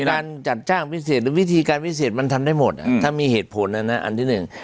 การจัดจ้างพิเศษหรือวิธีการพิเศษมันทำได้หมดถ้ามีเหตุผลนะนะอันที่หนึ่ง